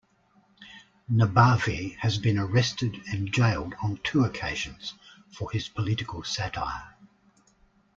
Nabavi has been arrested and jailed on two occasions for his political satire.